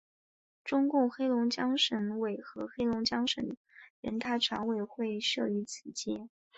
中共黑龙江省委和黑龙江省人大常委会设于此街。